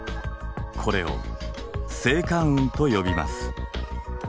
これを星間雲と呼びます。